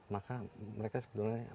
maka mereka sebenarnya